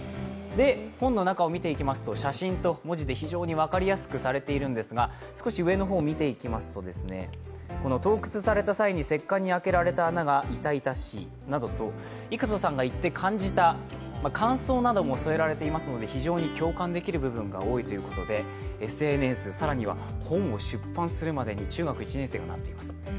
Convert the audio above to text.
本の中を見ていきますと写真と文字で非常に分かりやすくされているんですが少し上の方、見ていきますと郁仁さんがいって感じた感想なども添えられていますので非常に共感できる部分が多いということでＳＮＳ、更には本を出版するまでに中学１年生になっています。